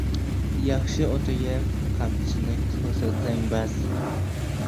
• Yaxshi otga qamchini ko‘rsatsang bas.